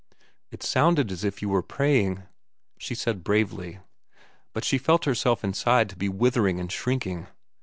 "It sounded as if you were praying," she said bravely, but she felt herself inside to be withering and shrinking.